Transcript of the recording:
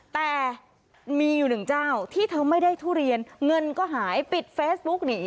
แต่มีอยู่หนึ่งเจ้าที่เธอไม่ได้ทุเรียนเงินก็หายปิดเฟซบุ๊กหนี